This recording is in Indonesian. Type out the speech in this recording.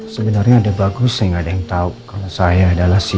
sebenarnya ada bagus saya nggak ada yang tahu kalau saya adalah si